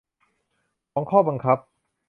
ของข้อบังคับ